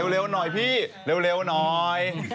เร็วหน่อยพี่เร็วหน่อย